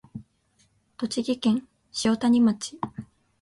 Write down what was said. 栃木県塩谷町